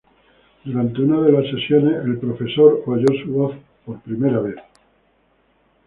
Durante una de las sesiones el profesor oyó su voz por primera vez.